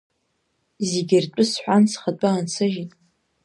Зегьы ртәы сҳәан, схатәы аансыжьит.